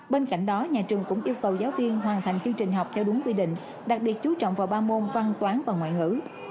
bên cạnh đó nhà trường cũng yêu cầu giáo viên hoàn thành chương trình học theo đúng quy định đặc biệt chú trọng vào ba môn văn toán và ngoại ngữ